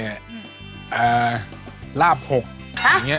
อีสานพื้นบ้านเนี่ย